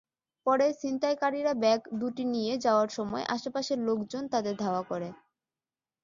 পরে ছিনতাইকারীরা ব্যাগ দুটি নিয়ে যাওয়ার সময় আশপাশের লোকজন তাদের ধাওয়া করে।